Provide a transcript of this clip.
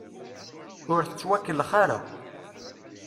Ur tettwekellex ara.